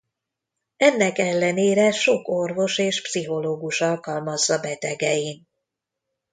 Ennek ellenére sok orvos és pszichológus alkalmazza betegein.